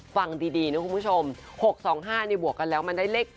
ฟังดีนะคุณผู้ชม๖๒๕นี่บวกกันแล้วมันได้เลข๗